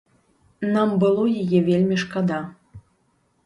Нам было яе вельмі шкада.